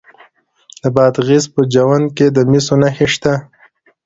د بادغیس په جوند کې د مسو نښې شته.